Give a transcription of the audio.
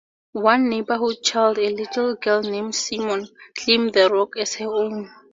One neighborhood child, a little girl named Simon, claimed the rock as her own.